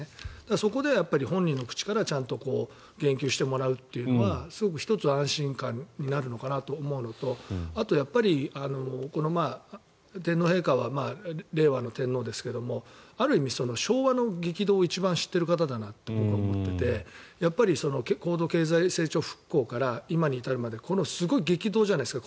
そこで本人の口からちゃんと言及してもらうというのはすごく１つ安心感になるのかなと思うのとあとはやっぱり天皇陛下は令和の天皇ですがある意味、昭和の激動を一番知ってる方だなと僕は思っていてやっぱり高度経済成長復興から今に至るまですごい激動じゃないですか。